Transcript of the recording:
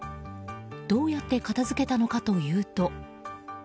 どうやって片付けたのかというと。